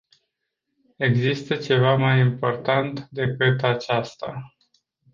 Există ceva mai important decât aceasta.